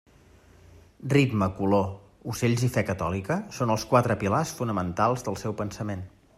Ritme, color, ocells i fe catòlica són els quatre pilars fonamentals del seu pensament.